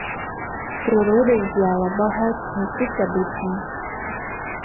Прырода ззяла багаццем і здабыткам.